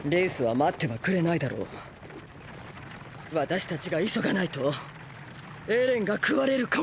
私たちが急がないとエレンが食われるかもしれない。